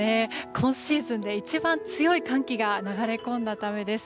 今シーズンで一番強い寒気が流れ込んだためです。